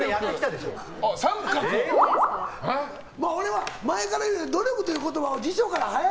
俺は前から言うてたけど努力という言葉を辞書からはよ